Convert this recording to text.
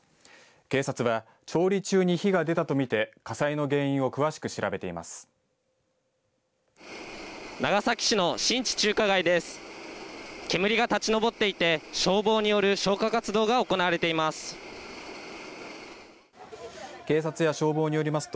警察は調理中に火が出たと見て火災の原因を詳しく調べています。